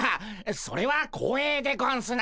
それは光栄でゴンスな。